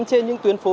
trên những tuyến phố